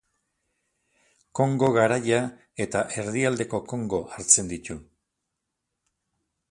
Kongo garaia eta Erdialdeko Kongo hartzen ditu.